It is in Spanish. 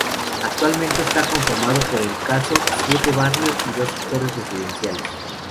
Actualmente está conformado por el caso, siete barrios y dos sectores residenciales.